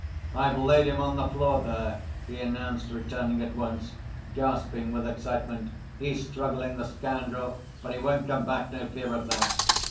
"I've laid him on the floor, there," he announced, returning at once, gasping with excitement. "He's struggling, the scoundrel! But he won't come back, no fear of that!..."